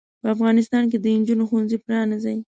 په افغانستان کې د انجونو ښوونځې پرانځئ.